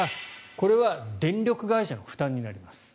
これは電力会社の負担になります。